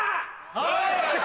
はい！